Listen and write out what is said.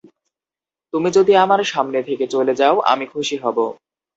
তুমি যদি আমার সামনে থেকে চলে যাও আমি খুশি হব।